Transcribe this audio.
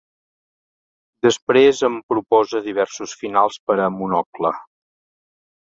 Després em proposa diversos finals per a "Monocle".